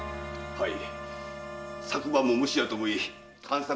はい。